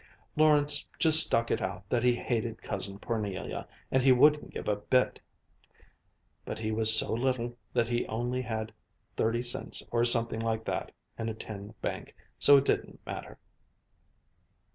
Lawrence just stuck it out that he hated Cousin Parnelia and he wouldn't give a bit. But he was so little that he only had thirty cents or something like that in a tin bank, so it didn't matter.